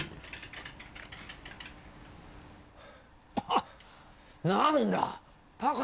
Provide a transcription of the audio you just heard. あっ何だ。